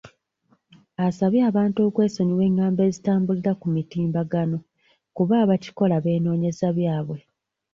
Asabye abantu okwesonyiwa engambo ezitambulira ku mitimbagano kuba abakikola beenoonyeza byabwe.